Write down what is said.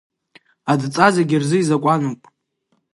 Адҵа зегьы рзы изакәануп!